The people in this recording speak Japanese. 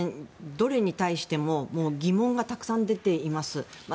どれに対しても疑問がたくさん出ています。